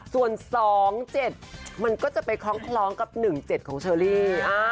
ส่วน๒๗มันก็จะไปคล้องกับ๑๗ของเชอรี่